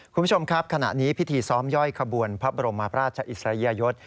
คุณผู้ชมครับขณะนี้พิธีซ้อมย่อยขบวนพระบรมราชอิสริยยศ